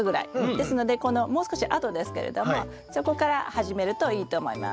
ですのでこのもう少しあとですけれどもそこから始めるといいと思います。